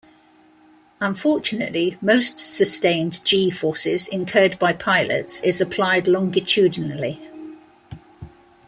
Unfortunately most sustained "g"-forces incurred by pilots is applied longitudinally.